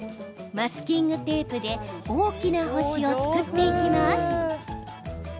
マスキングテープで大きな星を作っていきます。